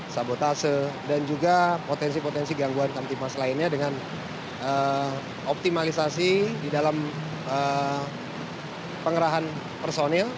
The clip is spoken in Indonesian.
sabotase dan juga potensi potensi gangguan kamtimas lainnya dengan optimalisasi di dalam pengerahan personil